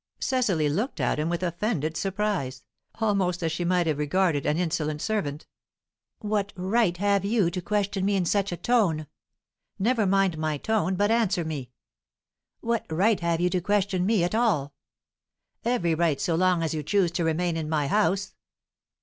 Cecily looked at him with offended surprise almost as she might have regarded an insolent servant. "What right have you to question me in such a tone?" "Never mind my tone, but answer me." "What right have you to question me at all?" "Every right, so long as you choose to remain in my house."